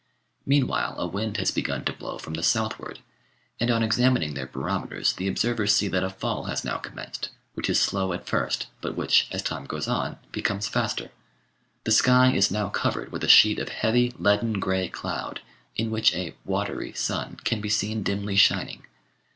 Meanwhile a wind has begun to blow from the southward, and on examining their barometers the observers see that a fall has now commenced, which is slow at first, but which, as time goes on, becomes faster. The sky is now covered with a sheet of heavy leaden grey cloud, in which a "watery" sun can be seen dimly shining.